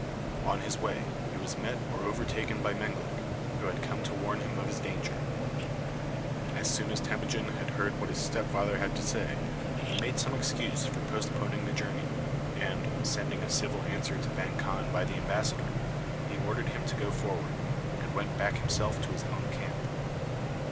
On his way he was met or overtaken by Menglik, who had come to warn him of his danger. As soon as Temujin had heard what his stepfather had to say, he made some excuse for postponing the journey, and, sending a civil answer to Vang Khan by the embassador, he ordered him to go forward, and went back himself to his own camp.